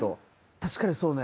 確かにそうね。